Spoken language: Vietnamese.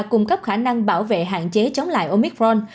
cung cấp khả năng bảo vệ hạn chế chống lại omicron